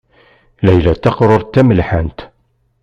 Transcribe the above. Layla d taqṛuṛt tamelḥant.